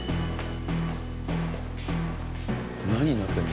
何になってるの？